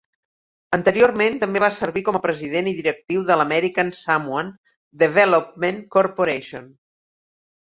Anteriorment també va servir com a president i directiu de l'American Samoan Development Corporation.